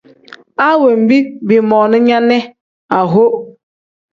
A wenbi biimoona nya ne aho.